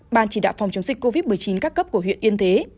ban chỉ đạo phòng chống dịch covid một mươi chín các cấp của huyện yên thế